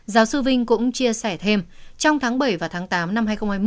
giáo sư vinh cũng chia sẻ thêm trong tháng bảy và tháng tám năm hai nghìn hai mươi